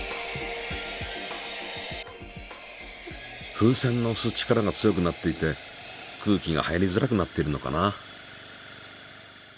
風船のおす力が強くなっていて空気が入りづらくなっているのかな？